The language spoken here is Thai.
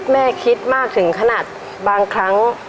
แม่คิดมากถึงขนาดบางครั้ง